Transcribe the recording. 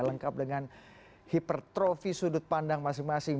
lengkap dengan hipertrofi sudut pandang masing masing